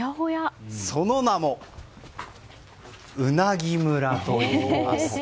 その名も、うなぎ村といいます。